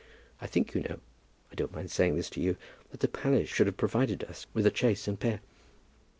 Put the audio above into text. I think, you know, I don't mind saying this to you, that the palace should have provided us with a chaise and pair."